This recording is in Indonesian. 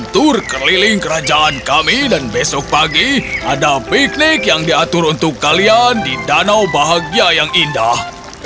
tur keliling kerajaan kami dan besok pagi ada piknik yang diatur untuk kalian di danau bahagia yang indah